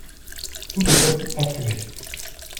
Tout le peuple affluait.